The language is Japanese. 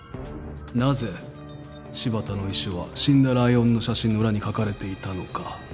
なぜ柴田の遺書は死んだライオンの写真の裏に書かれていたのか。